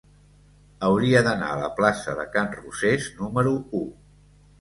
Hauria d'anar a la plaça de Can Rosés número u.